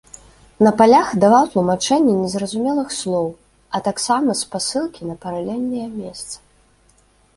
На палях даваў тлумачэнне незразумелых слоў, а таксама спасылкі на паралельныя месцы.